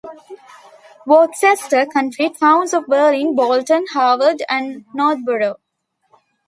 Worcester County: Towns of Berlin, Bolton, Harvard, and Northboro.